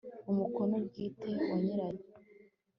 umukono bwite wa nyirayo